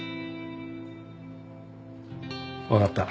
分かった。